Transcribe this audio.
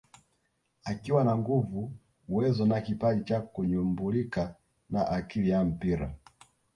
Akiwa na nguvu uwezo na kipaji cha kunyumbulika na akili ya mpira